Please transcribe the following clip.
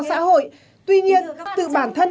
xã hội tuy nhiên tự bản thân